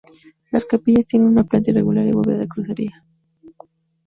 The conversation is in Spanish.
Las capillas tienen una planta irregular y bóveda de crucería.